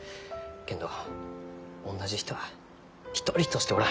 けんどおんなじ人は一人としておらん。